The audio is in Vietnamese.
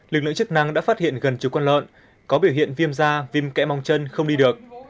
lực lượng chức năng đã phát hiện gần chú quân lợn có biểu hiện viêm da viêm kẽ móng chân không đi được